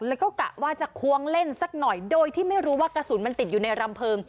แล้วก็กะว่าจะควงเล่นสักหน่อยโดยที่ไม่รู้ว่ากระสุนมันติดอยู่ในรำเพลิง